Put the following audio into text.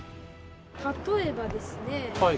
例えばですね